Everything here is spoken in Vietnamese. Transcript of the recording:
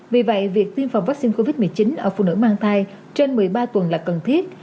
vì vậy việc tiêm phòng vaccine covid một mươi chín ở phụ nữ mang thai trên một mươi ba tuần là cần thiết